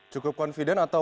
cukup confident atau